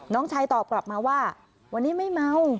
น้องชายตอบกลับมาว่าวันนี้ไม่เมา